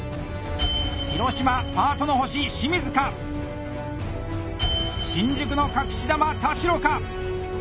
広島パートの星・清水か新宿の隠し球・田代か？